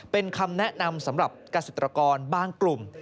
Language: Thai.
เป็นคำแนะนำสำหรับเกษตรกรบางกลุ่ม